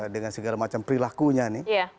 dengan segala macam perilakunya nih